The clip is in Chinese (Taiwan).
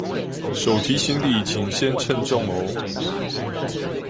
手提行李請先稱重喔